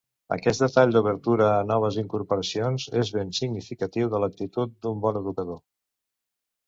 Aquest detall d'obertura a noves incorporacions és ben significatiu de l'actitud d'un bon educador.